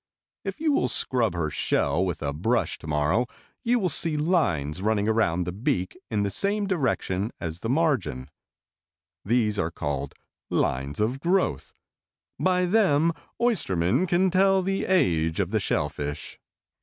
If you will scrub her shell with a brush to morrow you will see lines running around the beak in the same direction as the margin. These are called 'lines of growth.' By them oystermen can tell the age of the shellfish."